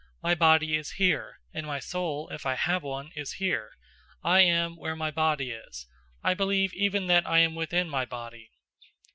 My body is here; and my soul, if I have one, is here. I am where my body is; I believe even that I am within my body.